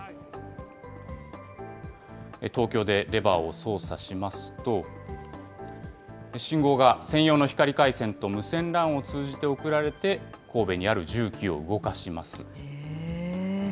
東京でレバーを操作しますと、信号が専用の光回線と無線ＬＡＮを通じて送られて、神戸にある重機を動かします。